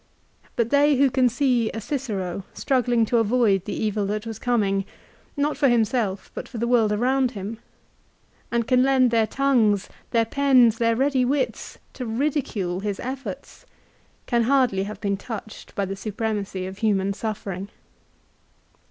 But they who can see a Cicero struggling to avoid the evil that was coming, not for himself but for the world around him, and can lend their tongues, their pens, their ready wits to ridicule his efforts, can hardly have been touched by the supremacy of human suffering.